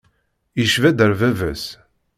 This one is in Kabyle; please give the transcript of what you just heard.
Yecba-d ar bab-as.